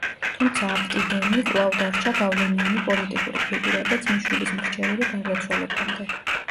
თუმცა აპტიდონი კვლავ დარჩა გავლენიანი პოლიტიკური ფიგურა და ძმისშვილის მრჩეველი გარდაცვალებამდე.